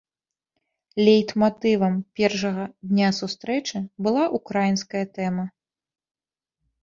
Лейтматывам першага дня сустрэчы была ўкраінская тэма.